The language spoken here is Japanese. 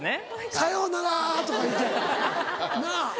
さようならとか言うてなぁ。